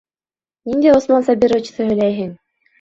Ниндәй Усман Сабировичты һөйләйһең?